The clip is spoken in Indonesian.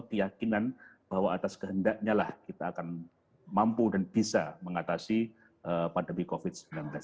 keyakinan bahwa atas kehendaknya lah kita akan mampu dan bisa mengatasi pandemi covid sembilan belas